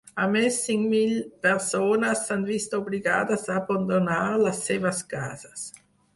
A més, cinc mil persones s’han vist obligades a abandonar les seves cases.